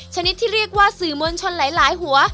ชนิดที่เรียกว่าสื่อมวลชนหลายหัว